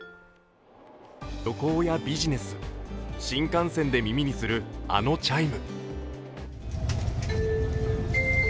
旅行やビジネス、新幹線で耳にするあのチャイム。